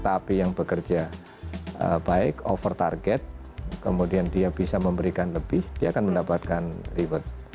tapi yang bekerja baik over target kemudian dia bisa memberikan lebih dia akan mendapatkan reward